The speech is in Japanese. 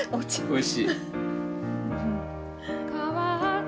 おいしい。